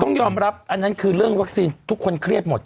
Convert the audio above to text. ต้องยอมรับอันนั้นคือเรื่องวัคซีนทุกคนเครียดหมด